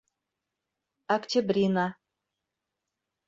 Октябрина